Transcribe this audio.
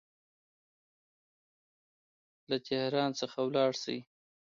له تهران څخه ولاړ سي.